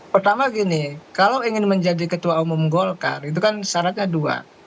pertama gini kalau ingin menjadi ketua umum golkar itu kan syaratnya dua